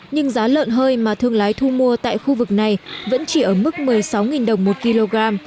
nhưng giá lợn hơi mà thương lái thu mua tại khu vực này vẫn chỉ ở mức một mươi sáu đồng một kg